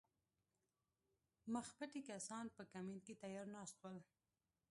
مخپټي کسان په کمین کې تیار ناست ول